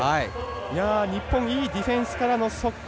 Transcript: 日本はいいディフェンスからの速攻。